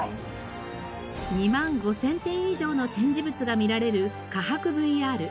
２万５０００点以上の展示物が見られるかはくＶＲ。